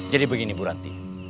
jadi begini bu ranti